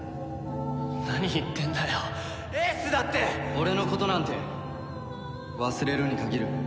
俺のことなんて忘れるに限る。